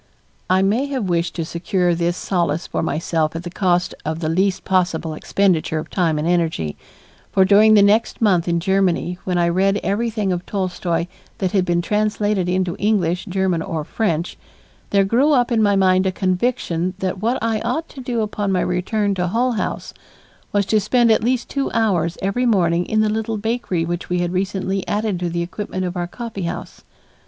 I may have wished to secure this solace for myself at the cost of the least possible expenditure of time and energy, for during the next month in Germany, when I read everything of Tolstoy's that had been translated into English, German, or French, there grew up in my mind a conviction that what I ought to do upon my return to Hull House was to spend at least two hours every morning in the little bakery which we had recently added to the equipment of our coffeehouse.